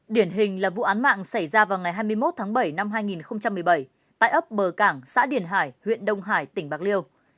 điển hình là vụ án mạng xảy ra vào ngày hai mươi một tháng bảy năm hai nghìn một mươi bảy tại ấp bờ cảng xã điền hải huyện đông hải tỉnh bạc liêu